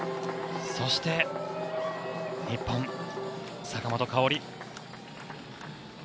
そして日本、坂本花織。